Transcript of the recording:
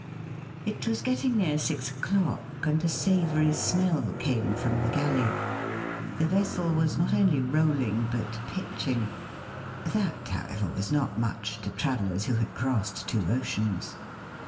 It was getting near six o'clock, and a savoury smell came from the galley. The vessel was not only roUing, but pitching. That, how ever, was not much to travellers who had crossed two oceans.